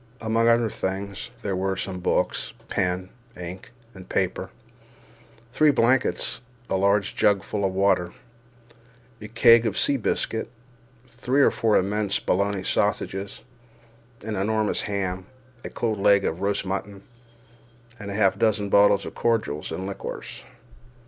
Among other things, there were some books, pen, ink, and paper, three blankets, a large jug full of water, a keg of sea biscuit, three or four immense Bologna sausages, an enormous ham, a cold leg of roast mutton, and half a dozen bottles of cordials and liqueurs.